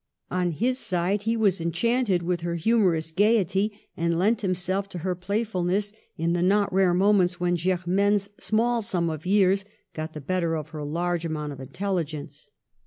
On his side he was enchanted with her humorous gayety, and lent himself to her playful ness in the not rare moments when Germaine's small sum of years got the better of her large amount of intelligence.